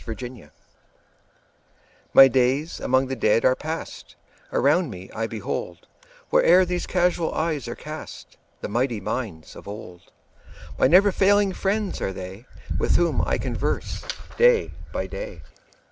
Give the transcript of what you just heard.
His Books MY days among the Dead are past; Around me I behold, Where'er these casual eyes are cast, The mighty minds of old: My never failing friends are they, 5 With whom I converse day by day.